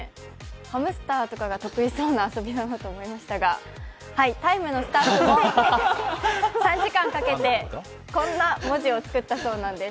ハムスターとかが得意そうな遊びだと思いましたがはい、「ＴＩＭＥ，」のスタッフも３時間かけてこんな文字を作ったそうなんです。